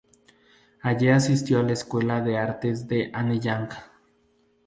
Allí asistió a la escuela de Artes de Anyang.